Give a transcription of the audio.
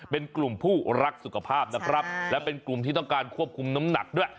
เป็นกลุ่มผู้รักสุขภาพนะครับและเป็นกลุ่มที่ต้องการควบคุมน้ำหนักด้วย